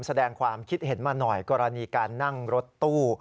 แสดงความคิดเห็นมาหน่อยกรณีการนั่งรถตู้